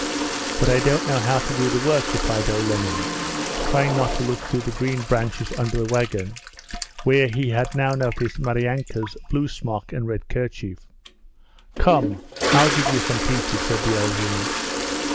'But I don't know how to do the work,' replied Olenin, trying not to look through the green branches under the wagon where he had now noticed Maryanka's blue smock and red kerchief. 'Come, I'll give you some peaches,' said the old woman.